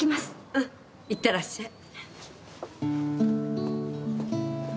うん行ってらっしゃい。